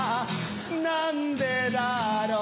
なんでだろう？